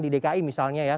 di dki misalnya ya